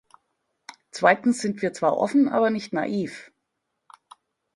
Zweitens sind wir zwar offen, aber nicht naiv.